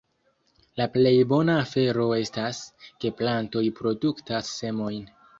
La plej bona afero estas, ke plantoj produktas semojn.